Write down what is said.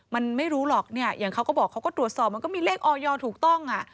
มันไม่รู้หรอกเนี่ยอย่างเขาก็บอกเขาก็ตรวจสอบมันก็มีเลขออยถูกต้องอ่ะ